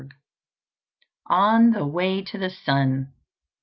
ON THE WAY TO THE SUN.